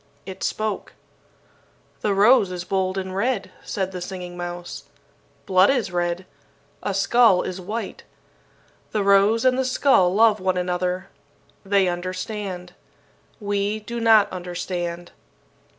It spoke: "The rose is bold and red," said the Singing Mouse. "Blood is red. A skull is white. The rose and the skull love one another. They understand. We do not understand.